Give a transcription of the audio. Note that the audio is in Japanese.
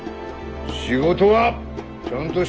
仕事はちゃんとしろよ！